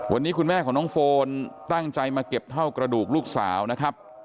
วันนี้คุณแม่ของน้องโฟนตั้งใจมาเก็บเท่ากระดูกลูกสาวนะครับ